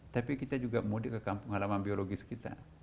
tapi kita juga mudik ke kampung halaman biologis kita